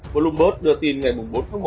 bloomberg đưa tin ngày bốn tháng một